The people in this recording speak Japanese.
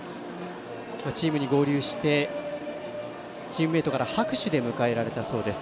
チームに合流してチームメートから拍手で迎えられたそうです。